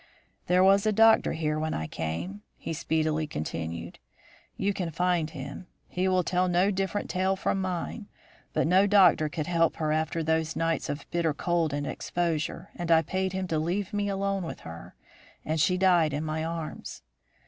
"There was a doctor here when I came," he speedily continued. "You can find him; he will tell no different tale from mine but no doctor could help her after those nights of bitter cold and exposure, and I paid him to leave me alone with her; and she died in my arms.